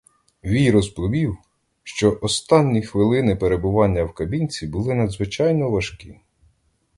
Вій розповів, що останні хвилини перебування в кабінці були надзвичайно важкі.